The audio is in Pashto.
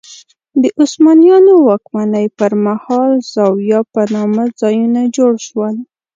د عثمانیانو واکمنۍ پر مهال زوايا په نامه ځایونه جوړ شول.